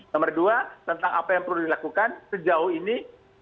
nomor dua tentang apa yang perlu dilakukan sejauh ini